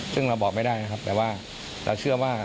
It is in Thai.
ซึ่งเราบอกไม่ได้นะครับแต่ว่าเราเชื่อว่า